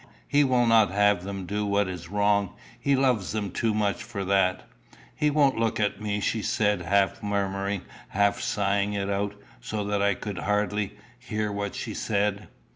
He will not have them do what is wrong. He loves them too much for that." "He won't look at me," she said half murmuring, half sighing it out, so that I could hardly, hear what she said.